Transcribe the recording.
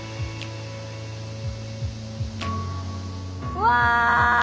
うわ！